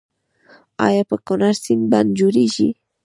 آیا پر کنړ سیند بند جوړیږي؟